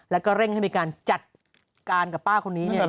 แล้วก็เร่งให้มีการจัดการกับป้าคนนี้เนี่ย